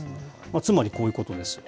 つまり、こういうことです。